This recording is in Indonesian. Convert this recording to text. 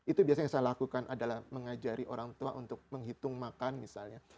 itu biasanya yang saya lakukan adalah mengajari orang tua untuk menghitung makan misalnya